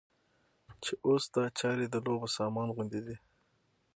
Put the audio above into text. چې اوس دا چارې د لوبو سامان غوندې دي.